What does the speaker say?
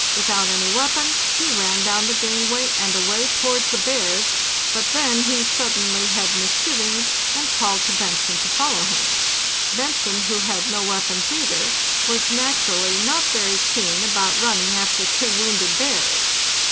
Without any weapon he ran down the gangway and away towards the bears, but then he suddenly had misgivings and called to Bentzen to follow him. Bentzen, who had no weapons either, was naturally not very keen about running after two wounded bears.